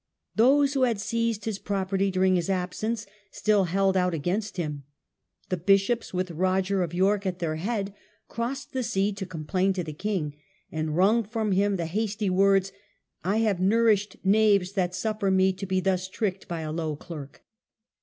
Thosewho had seized his property during and murder, his absence still held out against him. The ^^^'^*"'^' bishops, with Roger of York at their head, crossed the sea to complain to the king, and wrung from him the hasty words, " I have nourished knaves that suffer me to be thus tricked by a low clerk